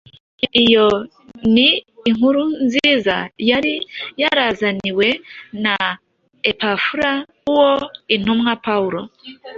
Iyo ni inkuru nziza yari yarazaniwe na Epafura uwo intumwa Pawulo